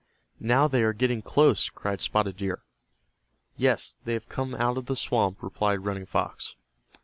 "Now they are getting close," cried Spotted Deer. "Yes, they have come out of the swamp," replied Running Fox.